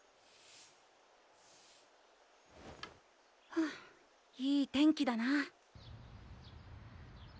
ふういい天気だな。